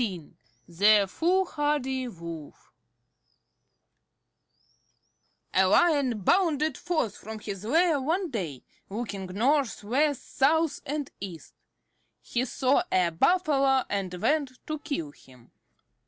XV THE FOOLHARDY WOLF A lion bounded forth from his lair one day, looking north, west, south, and east. He saw a Buffalo and went to kill him.